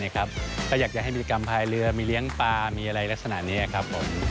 ก็อยากจะให้มีกรรมพายเรือมีเลี้ยงปลามีอะไรลักษณะนี้ครับผม